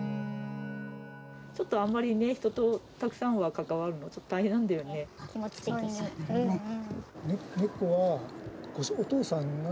ちょっとあんまり人とたくさんは関わるのは、ちょっと大変なんだよね。